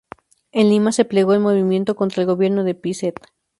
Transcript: En Lima se plegó al movimiento contra el gobierno de Pezet.